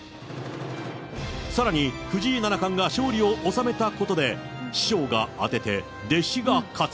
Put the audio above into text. さらに、藤井七冠が勝利を収めたことで、師匠が当てて、弟子が勝つ。